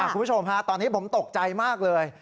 คุณผู้ชมฮะตอนนี้ผมตกใจมากเลย